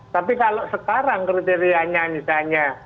tapi kalau sekarang kriterianya misalnya